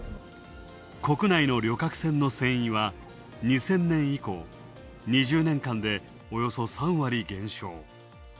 国内の旅客船の船員は、２０００年以降、２０年間でおよそ３割減少。